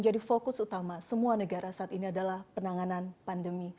jadi fokus utama semua negara saat ini adalah penanganan pandemi